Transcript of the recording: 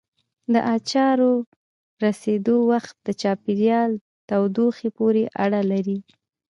د اچارو رسېدلو وخت د چاپېریال تودوخې پورې اړه لري.